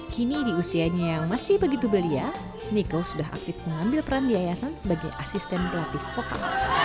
kini di usianya yang masih begitu belia niko sudah aktif mengambil peran di yayasan sebagai asisten pelatih vokal